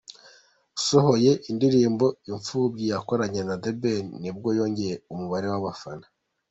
Asohoye indirimbo Imfubyi yakoranye na The Ben, nibwo yongeye umubera w’abafana .